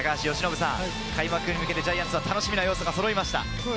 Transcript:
開幕に向けてジャイアンツは楽しみな要素がそろいました。